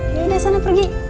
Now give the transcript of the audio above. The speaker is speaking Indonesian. eh yaudah sana pergi